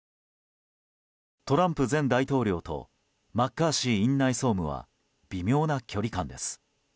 トランプ前大統領とマッカーシー院内総務は微妙な距離感です。